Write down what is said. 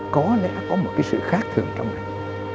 có lẽ có một cái sự khác thường trong này